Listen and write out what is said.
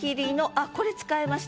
あっこれ使えました。